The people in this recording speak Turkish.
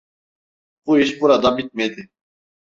Bu iş burada bitmedi.